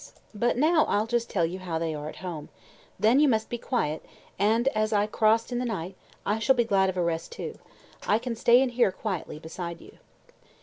But now I'll just tell you how they are at home. Then you must be quiet, and, as I crossed in the night, I shall be glad of a rest too. I can stay in here quietly beside you."